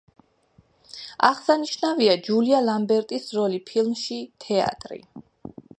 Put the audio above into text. აღსანიშნავია ჯულია ლამბერტის როლი ფილმში „თეატრი“.